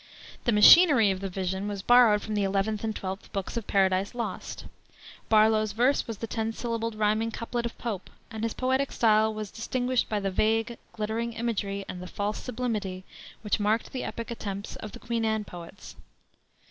The machinery of the Vision was borrowed from the 11th and 12th books of Paradise Lost. Barlow's verse was the ten syllabled rhyming couplet of Pope, and his poetic style was distinguished by the vague, glittering imagery and the false sublimity which marked the epic attempts of the Queen Anne poets.